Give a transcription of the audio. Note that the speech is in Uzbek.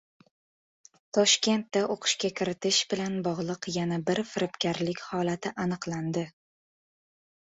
Toshkentda o‘qishga kiritish bilan bog‘liq yana bir firibgarlik holati aniqlandi